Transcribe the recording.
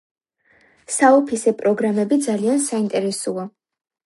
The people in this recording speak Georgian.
საოფისე პროგრამები ძალიან საინტერესოა